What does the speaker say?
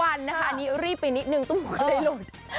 อันนี้รีบไปนิดนึงต้มหูที่ได้หล่น